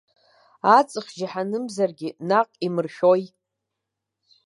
Аҵых џьаҳанымзаргьы, наҟ имыршои!